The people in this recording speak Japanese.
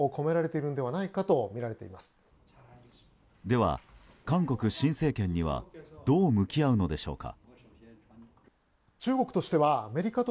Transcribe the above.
では、韓国新政権にはどう向き合うのでしょうか。